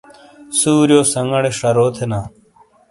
سُوریو سنگاڑے شَرو تھینا۔